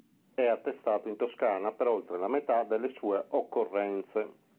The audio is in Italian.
È attestato in Toscana per oltre la metà delle sue occorrenze.